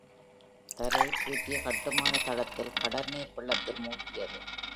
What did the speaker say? தரை பூஜ்ஜிய கட்டுமான தளத்தில் கடல் நீர் வெள்ளத்தில் மூழ்கியது.